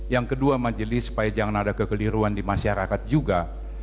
yang kedua majelis supaya jangan ada kekeliruan di masyarakat juga